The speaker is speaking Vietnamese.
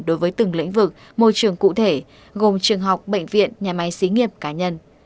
đối với từng lĩnh vực môi trường cụ thể gồm trường học bệnh viện nhà máy xí nghiệp cá nhân